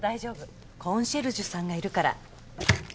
コンシェルジュさんがいるから。